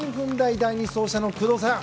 第２走者の工藤さん。